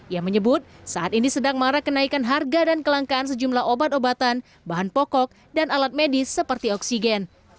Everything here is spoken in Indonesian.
ia menyebut saat ini sedang marah kenaikan harga dan kelangkaan sejumlah obat obatan bahan pokok dan alat medis seperti oksigen